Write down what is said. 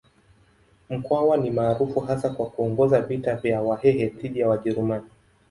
Mkwawa ni maarufu hasa kwa kuongoza vita vya Wahehe dhidi ya Wajerumani.